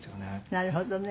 なるほどね。